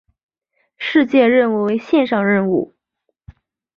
事件任务为线上任务。